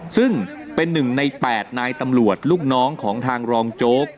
ซึ่งเป็น๑ใน๘นายตำรวจลูกน้องของทางรองโจ๊ก